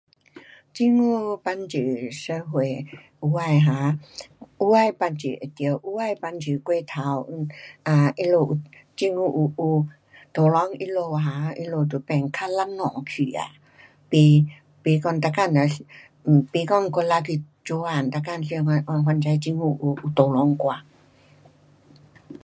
政府帮助社会有的哈，有的帮助有对，有的帮助过头。um 他们有，政府有有 tolong 他们哈他们就变较懒惰去啊。不，不讲每天都，um 不讲努力去做工。每天想到讲，哦反，反正政府有 tolong 我。